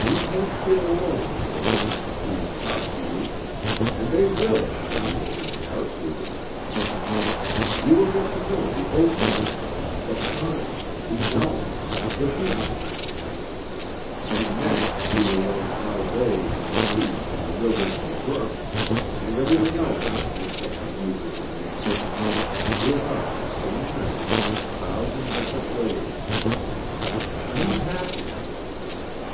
You can't feel alone in the world if the trees talk to you, and they will if you open your heart to them. You will get to know the oak language, the pine, the elm, the beech languages; and next you will learn how they and the sea and the rivers and brooks, and everything else that makes up the music of nature, give out the same message in a thousand different ways: _Be happy.